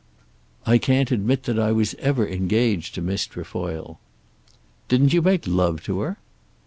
"I can't admit that I was ever engaged to Miss Trefoil." "Didn't you make love to her?"